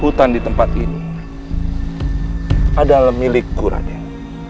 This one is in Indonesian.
hutan di tempat ini adalah milikku raden